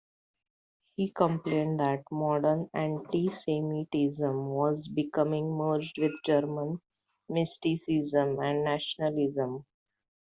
He complained that modern anti-Semitism was becoming merged with German mysticism and nationalism.